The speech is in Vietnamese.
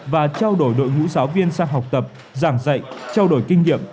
và trao đổi đội ngũ giáo viên sang học tập giảng dạy trao đổi kinh nghiệm